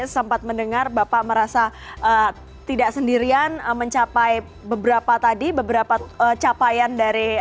sempat mendengar bapak merasa tidak sendirian mencapai beberapa tadi beberapa capaian dari